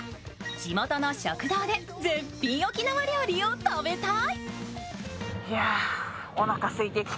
地元の食堂で絶品沖縄料理を食べたい！